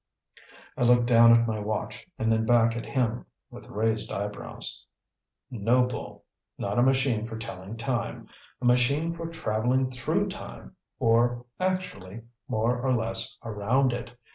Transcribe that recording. I looked down at my watch and then back at him, with raised eyebrows. "No, Bull. Not a machine for telling time; a machine for traveling through time or, actually, more or less around it.